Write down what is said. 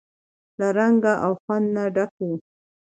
له رنګ او خوند نه ډکه وي.